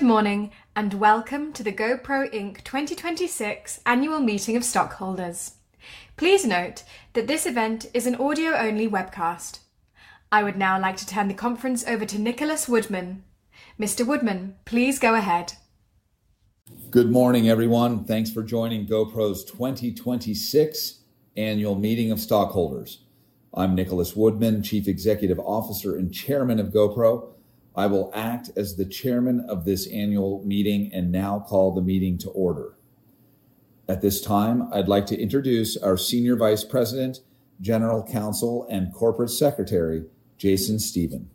Good morning, welcome to the GoPro, Inc. 2026 Annual Meeting of Stockholders. Please note that this event is an audio-only webcast. I would now like to turn the conference over to Nicholas Woodman. Mr. Woodman, please go ahead. Good morning, everyone. Thanks for joining GoPro's 2026 Annual Meeting of Stockholders. I'm Nicholas Woodman, Chief Executive Officer and Chairman of GoPro. I will act as the chairman of this annual meeting and now call the meeting to order. At this time, I'd like to introduce our Senior Vice President, General Counsel, and Corporate Secretary, Jason Stephen.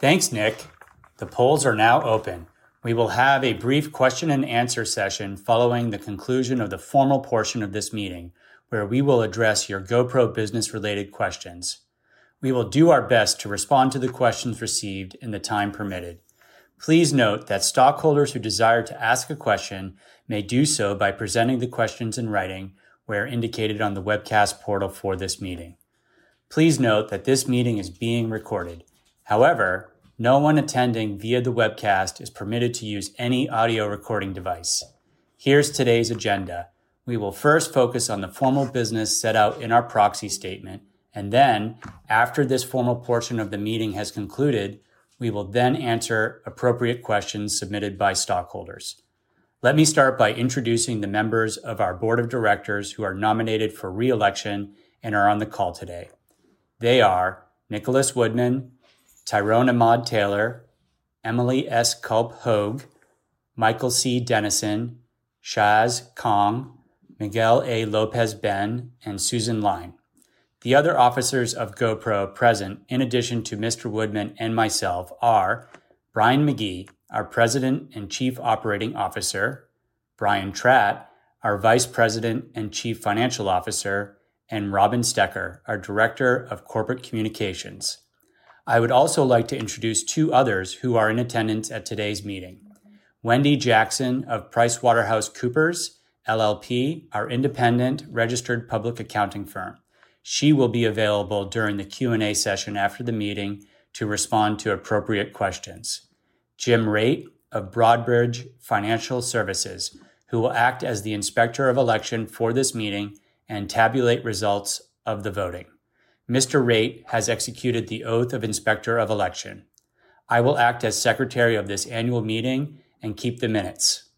Thanks, Nick. The polls are now open. We will have a brief question-and-answer session following the conclusion of the formal portion of this meeting, where we will address your GoPro business-related questions. We will do our best to respond to the questions received in the time permitted. Please note that stockholders who desire to ask a question may do so by presenting the questions in writing where indicated on the webcast portal for this meeting. Please note that this meeting is being recorded. However, no one attending via the webcast is permitted to use any audio recording device. Here's today's agenda. We will first focus on the formal business set out in our proxy statement, and then after this formal portion of the meeting has concluded, we will then answer appropriate questions submitted by stockholders. Let me start by introducing the members of our board of directors who are nominated for re-election and are on the call today. They are Nicholas Woodman, Tyrone Ahmad-Taylor, Emily S. Culp Hogue, Michael C. Dennison, Shaz Kahng, Miguel A. Lopez Ben, and Susan Lyne. The other officers of GoPro present, in addition to Mr. Woodman and myself, are Brian McGee, our President and Chief Operating Officer, Brian Tratt, our Vice President and Chief Financial Officer, and Robin Stoecker, our Director of Corporate Communications. I would also like to introduce two others who are in attendance at today's meeting. Wendy Jackson of PricewaterhouseCoopers LLP, our independent registered public accounting firm. She will be available during the Q&A session after the meeting to respond to appropriate questions. Jim Raitt of Broadridge Financial Solutions, Inc., who will act as the Inspector of Election for this meeting and tabulate results of the voting. Mr. Raitt has executed the Oath of Inspector of Election. I will act as Secretary of this annual meeting and keep the minutes.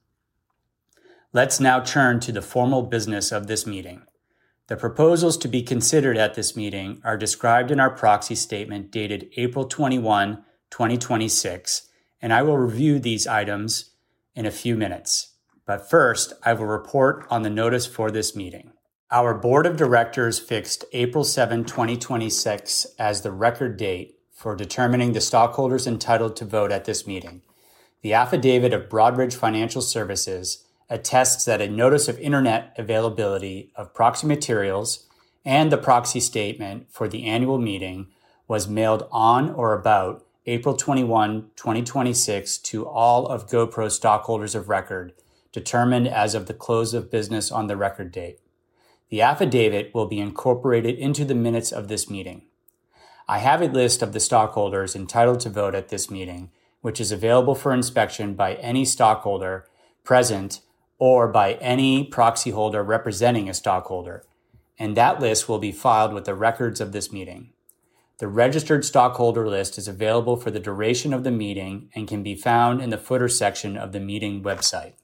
Let's now turn to the formal business of this meeting. The proposals to be considered at this meeting are described in our proxy statement dated April 21, 2026, and I will review these items in a few minutes. First, I will report on the notice for this meeting. Our board of directors fixed April 7, 2026, as the record date for determining the stockholders entitled to vote at this meeting. The affidavit of Broadridge Financial Solutions attests that a notice of internet availability of proxy materials and the proxy statement for the annual meeting was mailed on or about April 21, 2026, to all of GoPro's stockholders of record, determined as of the close of business on the record date. The affidavit will be incorporated into the minutes of this meeting. I have a list of the stockholders entitled to vote at this meeting, which is available for inspection by any stockholder present or by any proxyholder representing a stockholder, and that list will be filed with the records of this meeting. The registered stockholder list is available for the duration of the meeting and can be found in the footer section of the meeting website.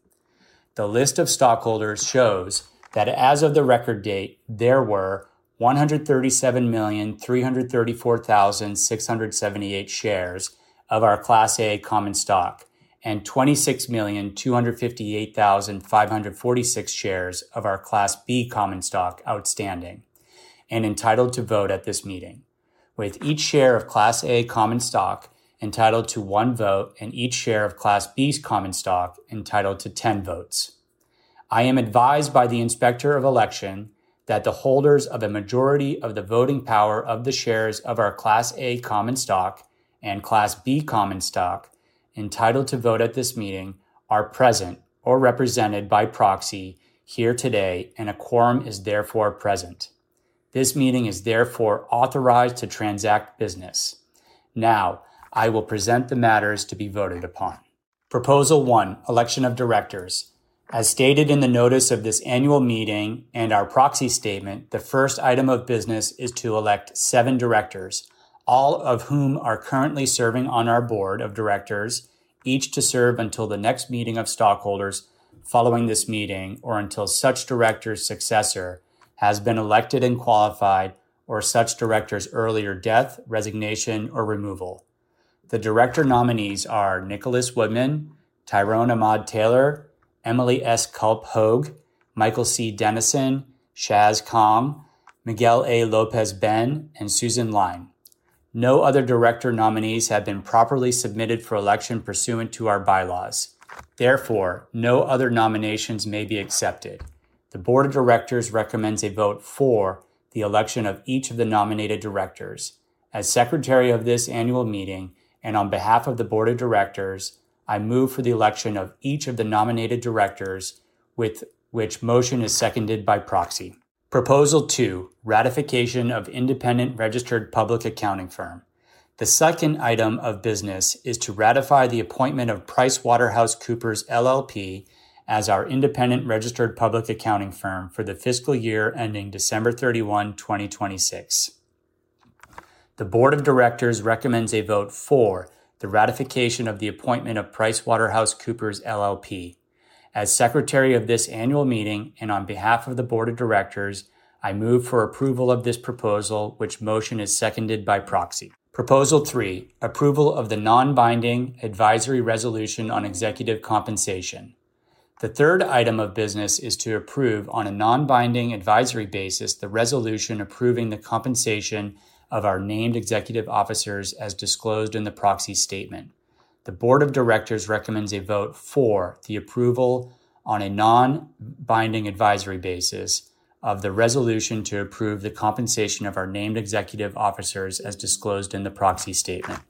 The list of stockholders shows that as of the record date, there were 137,334,678 shares of our Class A common stock and 26,258,546 shares of our Class B common stock outstanding and entitled to vote at this meeting, with each share of Class A common stock entitled to one vote and each share of Class B common stock entitled to 10 votes. I am advised by the Inspector of Election that the holders of the majority of the voting power of the shares of our Class A common stock and Class B common stock entitled to vote at this meeting are present or represented by proxy here today, and a quorum is therefore present. This meeting is therefore authorized to transact business. Now, I will present the matters to be voted upon. Proposal 1, election of directors. As stated in the notice of this annual meeting and our proxy statement, the first item of business is to elect seven directors, all of whom are currently serving on our board of directors, each to serve until the next meeting of stockholders following this meeting or until such director's successor has been elected and qualified or such director's earlier death, resignation, or removal. The director nominees are Nicholas Woodman, Tyrone Ahmad-Taylor, Emily S. Culp Hogue, Michael C. Dennison, Shaz Kahng, Miguel A. Lopez Ben, and Susan Lyne. No other director nominees have been properly submitted for election pursuant to our bylaws. Therefore, no other nominations may be accepted. The board of directors recommends a vote for the election of each of the nominated directors. As secretary of this annual meeting and on behalf of the board of directors, I move for the election of each of the nominated directors with which motion is seconded by proxy. Proposal 2: Ratification of independent registered public accounting firm. The second item of business is to ratify the appointment of PricewaterhouseCoopers, LLP as our independent registered public accounting firm for the fiscal year ending December 31, 2026. The board of directors recommends a vote for the ratification of the appointment of PricewaterhouseCoopers, LLP. As secretary of this annual meeting, and on behalf of the board of directors, I move for approval of this proposal which motion is seconded by proxy. Proposal 3, approval of the non-binding advisory resolution on executive compensation. The third item of business is to approve, on a non-binding advisory basis, the resolution approving the compensation of our named executive officers as disclosed in the proxy statement. The board of directors recommends a vote for the approval on a non-binding advisory basis of the resolution to approve the compensation of our named executive officers as disclosed in the proxy statement.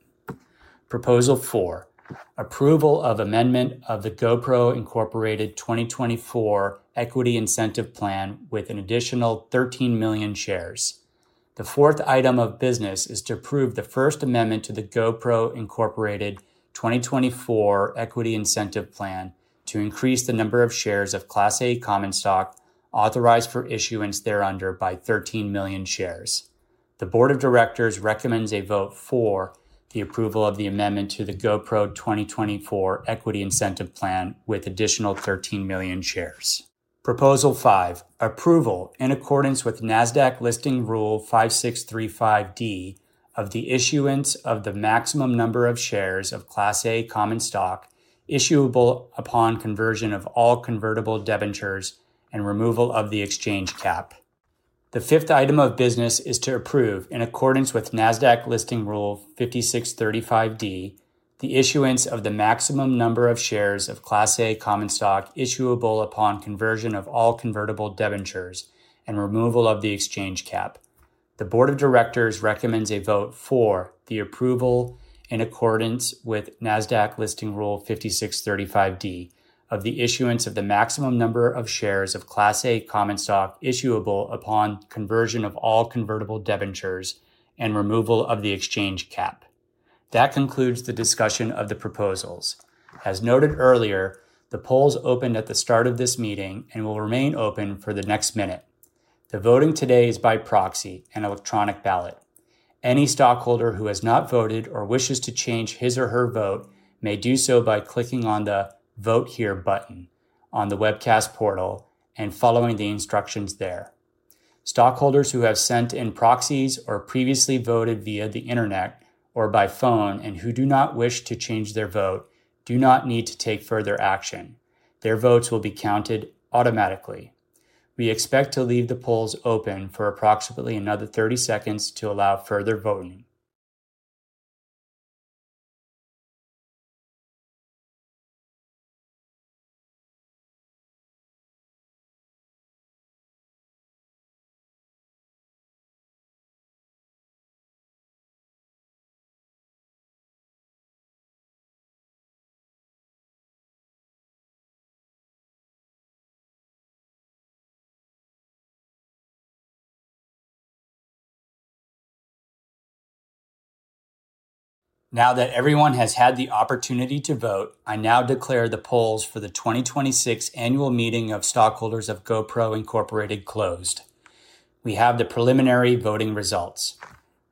Proposal 4, approval of amendment of the GoPro, Inc. 2024 Equity Incentive Plan with an additional 13 million shares. The fourth item of business is to approve the first amendment to the GoPro, Inc. 2024 Equity Incentive Plan to increase the number of shares of Class A common stock authorized for issuance thereunder by 13 million shares. The board of directors recommends a vote for the approval of the amendment to the GoPro, Inc. 2024 Equity Incentive Plan with additional 13 million shares. Proposal 5, approval, in accordance with Nasdaq Listing Rule 5635(d), of the issuance of the maximum number of shares of Class A common stock issuable upon conversion of all convertible debentures and removal of the exchange cap. The fifth item of business is to approve, in accordance with Nasdaq Listing Rule 5635(d), the issuance of the maximum number of shares of Class A common stock issuable upon conversion of all convertible debentures and removal of the exchange cap. The board of directors recommends a vote for the approval in accordance with Nasdaq Listing Rule 5635(d) of the issuance of the maximum number of shares of Class A common stock issuable upon conversion of all convertible debentures and removal of the exchange cap. That concludes the discussion of the proposals. As noted earlier, the polls opened at the start of this meeting and will remain open for the next minute. The voting today is by proxy and electronic ballot. Any stockholder who has not voted or wishes to change his or her vote may do so by clicking on the Vote Here button on the webcast portal and following the instructions there. Stockholders who have sent in proxies or previously voted via the internet or by phone and who do not wish to change their vote do not need to take further action. Their votes will be counted automatically. We expect to leave the polls open for approximately another 30 seconds to allow further voting. Now that everyone has had the opportunity to vote, I now declare the polls for the 2026 annual meeting of stockholders of GoPro, Inc. closed. We have the preliminary voting results.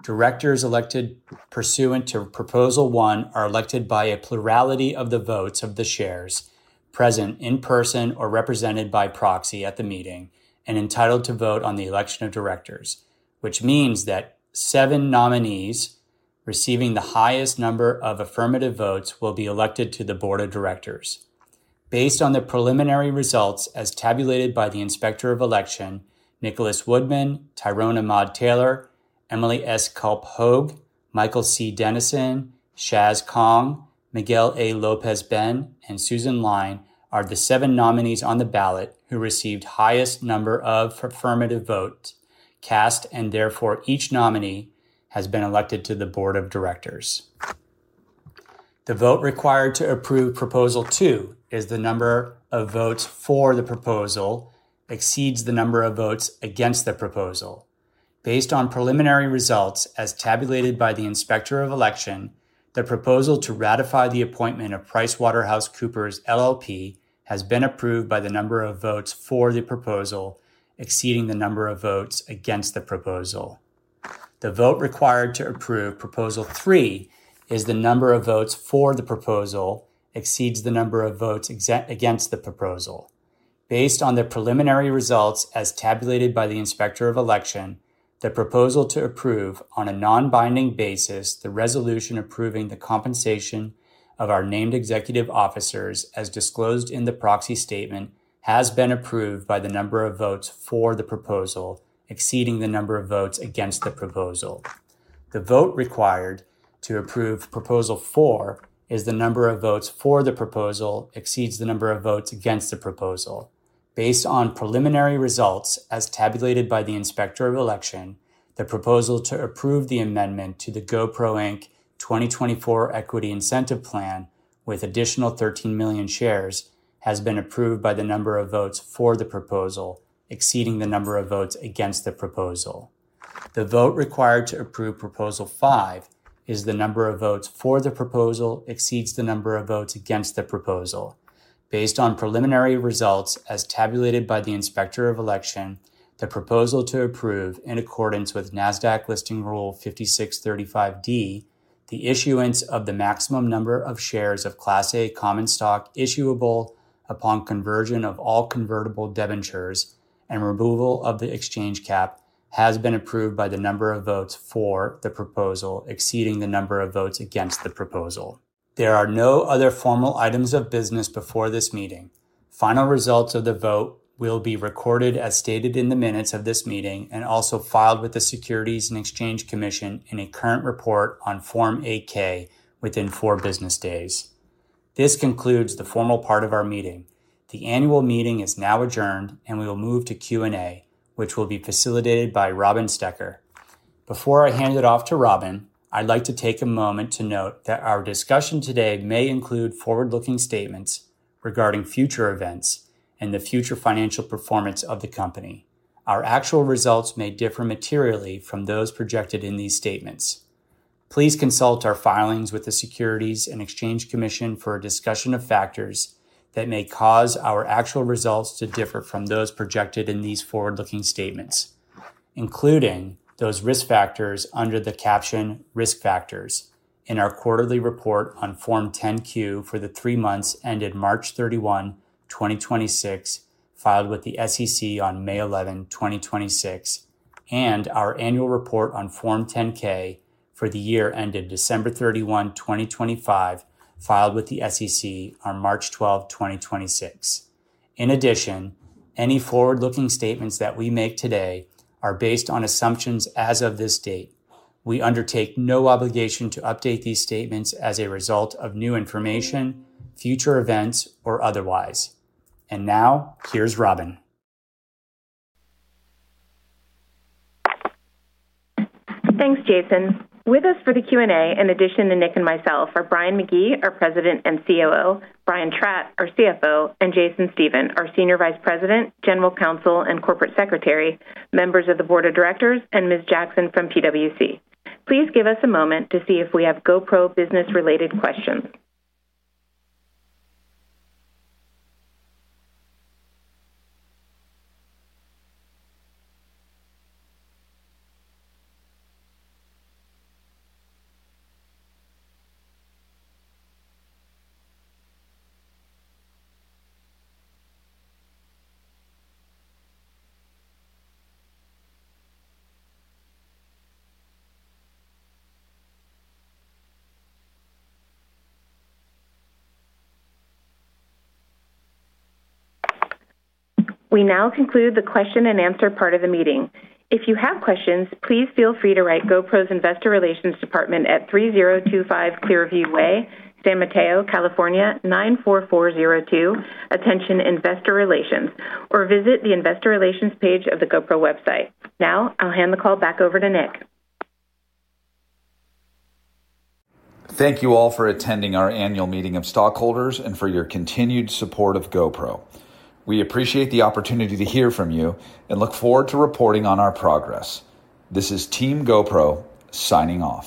Directors elected pursuant to proposal one are elected by a plurality of the votes of the shares present in person or represented by proxy at the meeting and entitled to vote on the election of directors. Which means that seven nominees receiving the highest number of affirmative votes will be elected to the board of directors. Based on the preliminary results as tabulated by the Inspector of Election, Nicholas Woodman, Tyrone Ahmad-Taylor, Emily S. Culp Hogue, Michael C. Dennison, Shaz Kahng, Miguel A. Lopez Ben, and Susan Lyne are the seven nominees on the ballot who received highest number of affirmative votes cast, and therefore each nominee has been elected to the board of directors. The vote required to approve proposal two is the number of votes for the proposal exceeds the number of votes against the proposal. Based on preliminary results as tabulated by the Inspector of Election, the proposal to ratify the appointment of PricewaterhouseCoopers LLP has been approved by the number of votes for the proposal exceeding the number of votes against the proposal. The vote required to approve proposal three is the number of votes for the proposal exceeds the number of votes against the proposal. Based on the preliminary results as tabulated by the Inspector of Election, the proposal to approve, on a non-binding basis, the resolution approving the compensation of our named executive officers, as disclosed in the proxy statement, has been approved by the number of votes for the proposal exceeding the number of votes against the proposal. The vote required to approve Proposal 4 is the number of votes for the proposal exceeds the number of votes against the proposal. Based on preliminary results as tabulated by the Inspector of Election, the proposal to approve the amendment to the GoPro, Inc. 2024 Equity Incentive Plan with additional 13 million shares has been approved by the number of votes for the proposal exceeding the number of votes against the proposal. The vote required to approve Proposal 5 is the number of votes for the proposal exceeds the number of votes against the proposal. Based on preliminary results as tabulated by the Inspector of Election, the proposal to approve, in accordance with Nasdaq Listing Rule 5635(d), the issuance of the maximum number of shares of Class A common stock issuable upon conversion of all convertible debentures and removal of the exchange cap, has been approved by the number of votes for the proposal exceeding the number of votes against the proposal. There are no other formal items of business before this meeting. Final results of the vote will be recorded as stated in the minutes of this meeting and also filed with the Securities and Exchange Commission in a current report on Form 8-K within four business days. This concludes the formal part of our meeting. The annual meeting is now adjourned, and we will move to Q&A, which will be facilitated by Robin Stoecker. Before I hand it off to Robin, I'd like to take a moment to note that our discussion today may include forward-looking statements regarding future events and the future financial performance of the company. Our actual results may differ materially from those projected in these statements. Please consult our filings with the Securities and Exchange Commission for a discussion of factors that may cause our actual results to differ from those projected in these forward-looking statements, including those risk factors under the caption Risk Factors in our quarterly report on Form 10-Q for the three months ended March 31, 2026, filed with the SEC on May 11, 2026, and our annual report on Form 10-K for the year ended December 31, 2025, filed with the SEC on March 12, 2026. In addition, any forward-looking statements that we make today are based on assumptions as of this date. We undertake no obligation to update these statements as a result of new information, future events, or otherwise. Now, here's Robin. Thanks, Jason. With us for the Q&A, in addition to Nick and myself, are Brian McGee, our President and COO, Brian Tratt, our CFO, and Jason Stephen, our Senior Vice President, General Counsel, and Corporate Secretary, members of the Board of Directors, and Ms. Jackson from PwC. Please give us a moment to see if we have GoPro business-related questions. We now conclude the question-and-answer part of the meeting. If you have questions, please feel free to write GoPro's investor relations department at 3025 Clearview Way, San Mateo, California 94402, attention investor relations, or visit the investor relations page of the GoPro website. Now, I'll hand the call back over to Nick. Thank you all for attending our annual meeting of stockholders and for your continued support of GoPro. We appreciate the opportunity to hear from you and look forward to reporting on our progress. This is Team GoPro signing off.